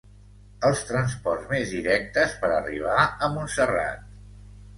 Els transports més directes per arribar a Montserrat.